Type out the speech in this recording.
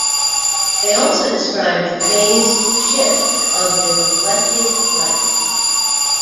They also describe the phase shift of the reflected light.